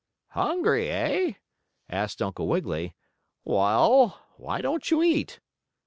"Hungry, eh?" asked Uncle Wiggily. "Well, why don't you eat?"